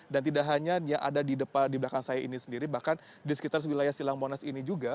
dan tidak hanya yang ada di belakang saya ini sendiri bahkan di sekitar wilayah silangmonas ini juga